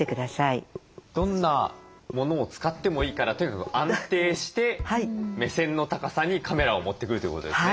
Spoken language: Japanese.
どんなものを使ってもいいからとにかく安定して目線の高さにカメラを持ってくるということですね。